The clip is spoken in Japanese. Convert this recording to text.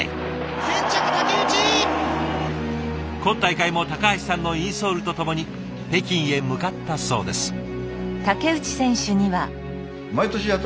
今大会も橋さんのインソールとともに北京へ向かったそうです。